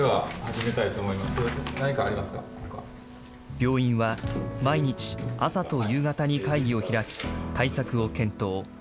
病院は毎日、朝と夕方に会議を開き、対策を検討。